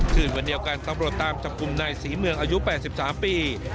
คืนวันเดียวกันตำรวจตามจับกลุ่มนายศรีเมืองอายุ๘๓ปี